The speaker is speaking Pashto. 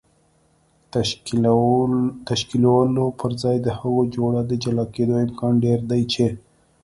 تشکیلولو پر ځای د هغو جوړو د جلا کېدو امکان ډېر دی چې